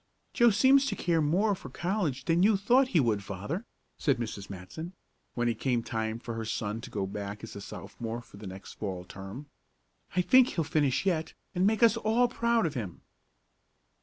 "Joe seems to care more for college than you thought he would, father," said Mrs. Matson, when it came time for her son to go back as a Sophomore for the next Fall term. "I think he'll finish yet, and make us all proud of him."